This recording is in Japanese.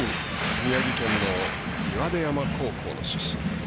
宮城県の岩出山高校の出身。